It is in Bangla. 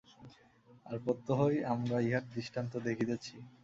আর প্রত্যহই আমরা ইহার দৃষ্টান্ত দেখিতেছি।